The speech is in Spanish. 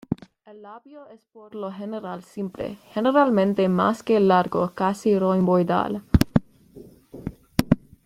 El labio, es por lo general simple, generalmente más que largo, casi romboidal.